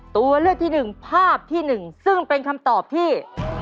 ตัวเลือกที่หนึ่งภาพที่๑ซึ่งเป็นคำตอบที่